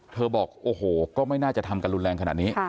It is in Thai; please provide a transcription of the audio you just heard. บอกโอ้โหก็ไม่น่าจะทำกันรุนแรงขนาดนี้